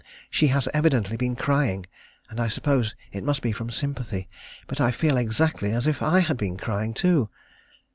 She has evidently been crying, and I suppose it must be from sympathy, but I feel exactly as if I had been crying too.